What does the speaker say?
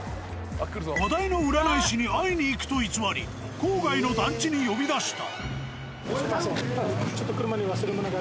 話題の占い師に会いに行くと偽り、郊外の団地に呼び出した。